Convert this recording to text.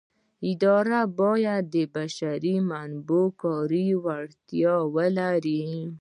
اداره باید د بشري منابعو کاري وړتیاوې ولري.